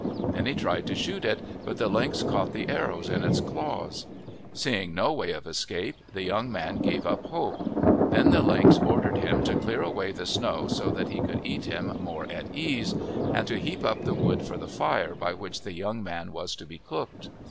Then he tried to shoot it, but the lynx caught the arrows in his claws. Seeing no way of escape, the young man gave up hope. Then the lynx ordered him to clear away the snow so that he could eat him more at ease, and to heap up the wood for the fire by which the young man was to be cooked.